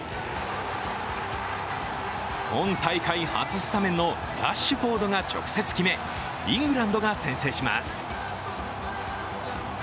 今大会初スタメンのラッシュフォードが直接決めイングランドが先制します。